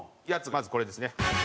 まずこれですね。